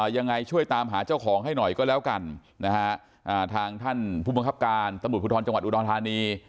ยังไงช่วยตามหาเจ้าของให้หน่อยก็แล้วกันทางท่านผู้บังคับการตพจอุดรธานี